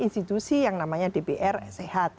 institusi yang namanya dpr sehat